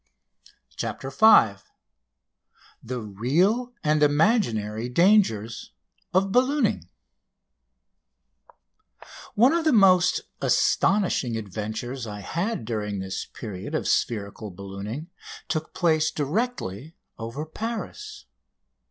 CHAPTER V THE REAL AND THE IMAGINARY DANGERS OF BALLOONING One of the most astonishing adventures I had during this period of spherical ballooning took place directly over Paris.